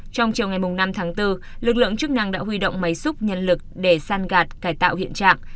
trong chiều ngày năm tháng bốn lực lượng chức năng đã huy động máy xúc nhân lực để san gạt cải tạo hiện trạng